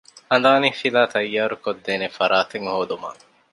ހަނދާނީފިލާ ތައްޔާރު ކޮށްދޭނެ ފަރާތެއް ހޯދުމަށް